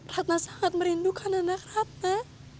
radna sangat merindukan anak radna